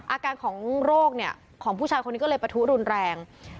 อาการของโรคเนี่ยของผู้ชายคนนี้ก็เลยประทุรุนแรง